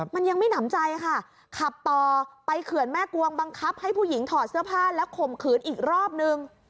มันยังไม่หนำใจค่ะขับต่อไปเขื่อนแม่กวงบังคับให้ผู้หญิงถอดเสื้อผ้าแล้วข่มขืนอีกรอบนึง